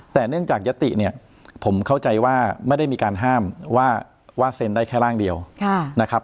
แต่เนื่องจากยติเนี่ยผมเข้าใจว่าไม่ได้มีการห้ามว่าเซ็นได้แค่ร่างเดียวนะครับ